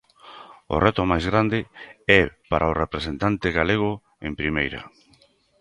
O reto máis grande é para o representante galego en Primeira.